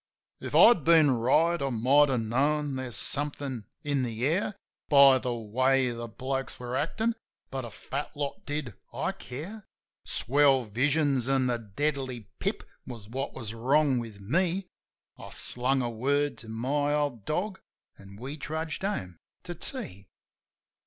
If I'd been right, I might have known there's somethin' in the air By the way the blokes were actin' ; but a fat lot did I care. Swell visions an' the deadly pip was what was wrong with me. I slung a word to my old dog, an' we trudged home to tea.